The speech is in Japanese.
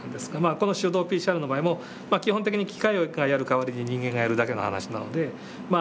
この手動ＰＣＲの場合も基本的に機械がやる代わりに人間がやるだけの話なのでまあ